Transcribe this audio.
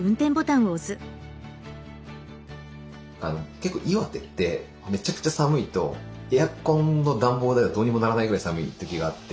結構岩手ってめちゃくちゃ寒いとエアコンの暖房ではどうにもならないぐらい寒い時があって。